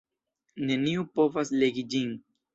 Neniu povas legi ĝin.